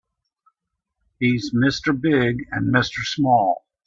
He's Mr. Big and Mr. Small.